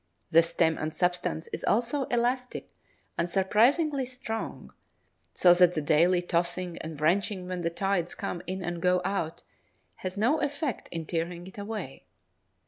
The stem and substance is also elastic and surprisingly strong, so that the daily tossing and wrenching when the tides come in and go out has no effect in tearing it away.